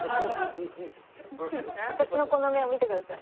私のこの目を見てください。